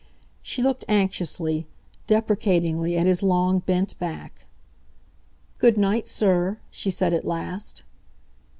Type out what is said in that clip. She looked anxiously, deprecatingly, at his long, bent back. "Good night, sir," she said at last.